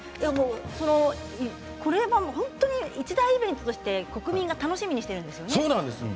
これは本当に一大イベントとして国民が楽しみにしているんですよね。